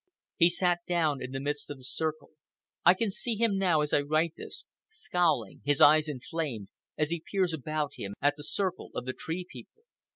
He sat down in the midst of the circle. I can see him now, as I write this, scowling, his eyes inflamed, as he peers about him at the circle of the Tree People.